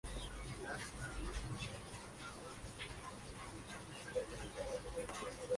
El quinto magacín salió en el mes de julio con otras once historias.